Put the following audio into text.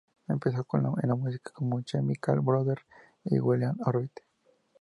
Empezó en la música con Chemical Brothers y William Orbit.